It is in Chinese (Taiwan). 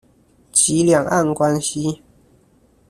及兩岸關係